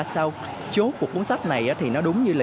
sau chốt của cuốn sách này thì nó đúng như là